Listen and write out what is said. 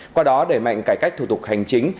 qua đó đẩy mạnh cải cách thủ tục hành chính